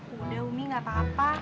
udah umi gak apa apa